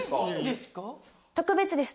特別です。